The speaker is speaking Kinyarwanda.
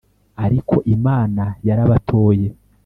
Ariko Imana yarabatoye